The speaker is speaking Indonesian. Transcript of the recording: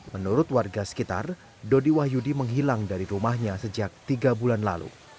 menurut warga sekitar dodi wahyudi menghilang dari rumahnya sejak tiga bulan lalu